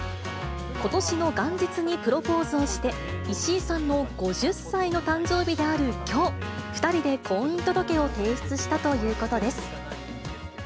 ことしの元日にプロポーズをして、石井さんの５０歳の誕生日であるきょう、２人で婚姻届を提出したということです。